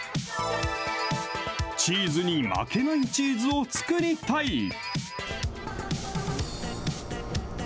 チーズに負けないチーズを作りたい。